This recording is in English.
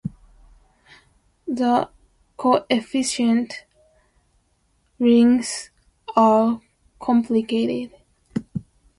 The coefficient rings are complicated.